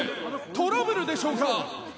「トラブルでしょうか！？」